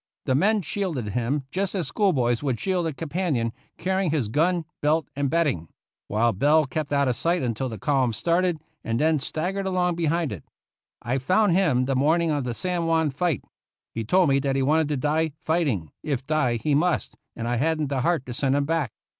The men shielded him just as school boys would shield a companion, carrying his gun, belt, and bedding; while Bell kept out THE ROUGH RIDERS of sight until the column started, and then stag gered along behind it. I found him the morning of the San Juan fight. He told me that he wanted to die fighting, if die he must, and I hadn't the heart to send him back.